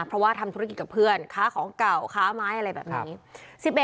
เพราะว่าทำธุรกิจกับเพื่อนค้าของเก่าค้าไม้อะไรแบบนี้